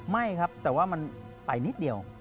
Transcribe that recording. ไม่ครับแต่ว่ามันไปนิดเดียว